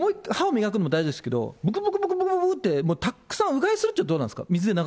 これね、歯を磨くのも大事ですけど、ぶくぶくぶくぶくって、たくさんうがいするというのはどうなんですか？